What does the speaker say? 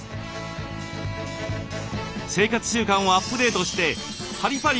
生活習慣をアップデートしてパリパリ